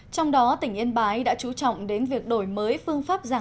trong đó tỉnh yên bái đã trú trọng đến việc đổi mới phương pháp giáo dục